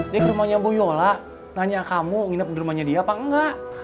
dia ke rumahnya bu yola nanya kamu nginep di rumahnya dia apa enggak